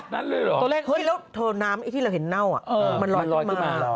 เฮ่ยแล้วน้ำที่เราเห็นเน่ามันลอยขึ้นมา